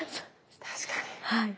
確かに。